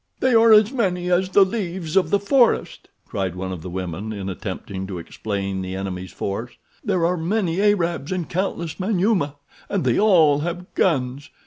"They are as many as the leaves of the forest," cried one of the women, in attempting to explain the enemy's force. "There are many Arabs and countless Manyuema, and they all have guns.